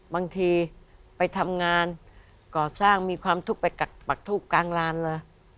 บางทีไปทำงานก่อสร้างมีความทุกข์ไปกักปักทุกข์กลางร้านเลย